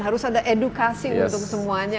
harus ada edukasi untuk semuanya